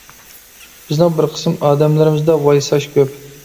بىزنىڭ بىر قىسىم ئادەملىرىمىزدە ۋايساش كۆپ.